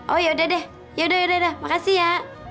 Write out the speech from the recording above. oh yaudah deh yaudah yaudah deh makasih ya